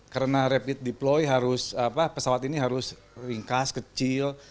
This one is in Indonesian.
karena rapid deploy pesawat ini harus ringkas kecil